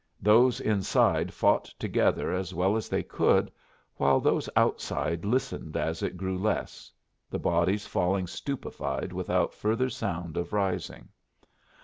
Those inside fought together as well as they could, while those outside listened as it grew less, the bodies falling stupefied without further sound of rising.